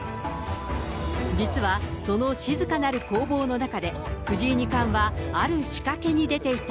実は、その静かなる攻防の中で、藤井二冠はある仕掛けに出ていた。